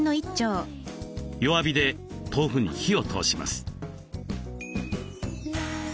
弱火で豆腐に火を通します。